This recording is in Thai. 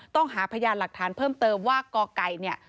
ต้องหาพยานหลักฐานเพิ่มเติมว่ากไก่เนี่ย